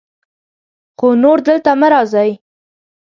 خو نور دلته مه راځئ.